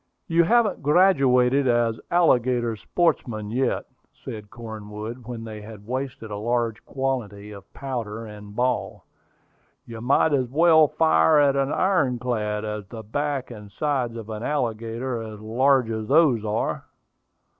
"You haven't graduated as alligator sportsmen yet," said Cornwood when they had wasted a large quantity of powder and ball. "You might as well fire at an iron clad, as at the back and sides of an alligator as large as those are."